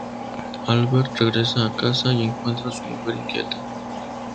Albert regresa a casa y encuentra a su mujer inquieta.